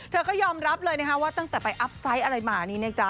เธอก็ยอมรับเลยนะคะว่าตั้งแต่ไปอัพไซต์อะไรมานี้นะจ๊ะ